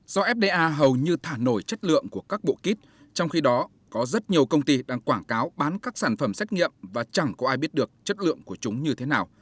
do fda hầu như thả nổi chất lượng của các bộ kít trong khi đó có rất nhiều công ty đang quảng cáo bán các sản phẩm xét nghiệm và chẳng có ai biết được chất lượng của chúng như thế nào